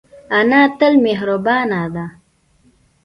انا تل مهربانه ده